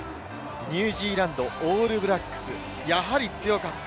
ニュージーランド・オールブラックス、やはり強かった！